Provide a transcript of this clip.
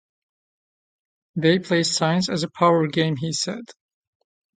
"They play science as a power game," he said.